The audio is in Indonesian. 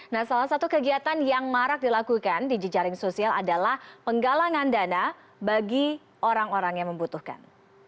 nah salah satu kegiatan yang marak dilakukan di jejaring sosial adalah penggalangan dana bagi orang orang yang membutuhkan